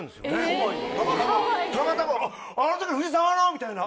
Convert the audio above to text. たまたま「あの時の藤沢の」みたいな。